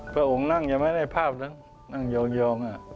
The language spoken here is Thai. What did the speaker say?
พ่อองค์นั่งอย่างไม่ได้ภาพนั้นนั่งหยองน่ะ